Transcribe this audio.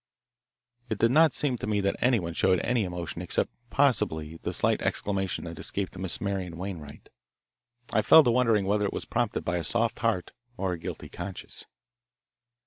It did not seem to me that anyone showed any emotion except possibly the slight exclamation that escaped Miss Marian Wainwright. I fell to wondering whether it was prompted by a soft heart or a guilty conscience.